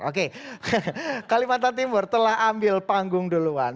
oke kalimantan timur telah ambil panggung duluan